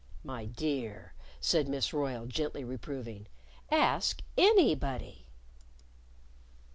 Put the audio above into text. "My dear," said Miss Royle, gently reproving, "ask _any_body."